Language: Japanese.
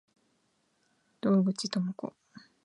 洞口朋子